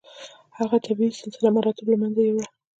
هغه طبیعي سلسله مراتب له منځه یووړه.